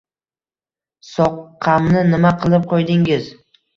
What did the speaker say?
Soqqamni nima qilib qo‘ydingiz?